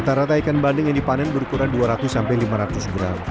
rata rata ikan bandeng yang dipanen berukuran dua ratus sampai lima ratus gram